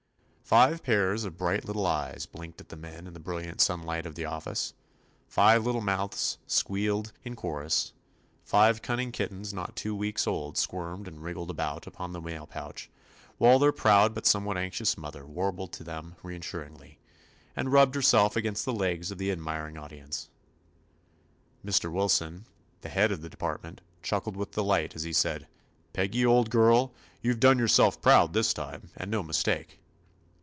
Five pairs of bright little eyes blinked at the men in the bril liant sunlight of the office, five little mouths squealed in chorus, five cun ning kittens not two weeks old squirmed and wriggled about upon the mail pouch, while their proud but somewhat anxious mother warbled to them reassuringly, and rubbed herself against the legs of the admiring audi ence. Mr. Wilson, the head of the de partment, chuckled with delight, as he said : "Peggy, old girl, you 've done yourself proud this time, and no mistake."